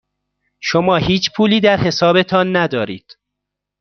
شما هیچ پولی در حسابتان ندارید.